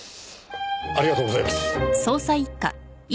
ありがとうございます。